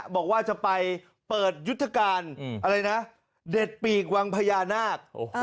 บอกว่าจะไปเปิดยุทธการอะไรนะเด็ดปีกวังพญานาค